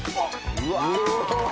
うわ！